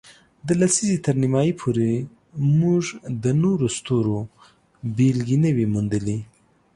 د لسیزې تر نیمایي پورې، موږ د نورو ستورو بېلګې نه وې موندلې.